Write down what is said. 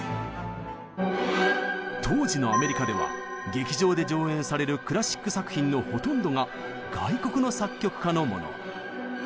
当時のアメリカでは劇場で上演されるクラシック作品のほとんどが外国の作曲家のもの。